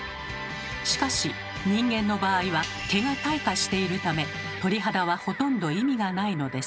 しかし人間の場合は毛が退化しているため鳥肌はほとんど意味がないのです。